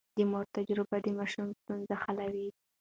د مور تجربه د ماشوم ستونزې حلوي.